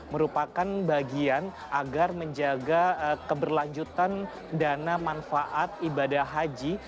merupakan bagian agar menjaga keberlanjutan dana manfaat ibadah haji